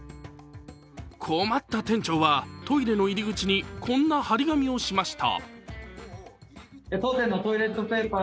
困った店長はトイレの入り口にこんな貼り紙をしました。